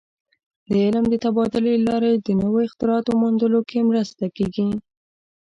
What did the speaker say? د علم د تبادلې له لارې د نوو اختراعاتو موندلو کې مرسته کېږي.